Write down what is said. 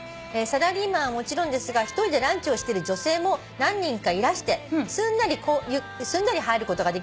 「サラリーマンはもちろんですが１人でランチをしてる女性も何人かいらしてすんなり入ることができました」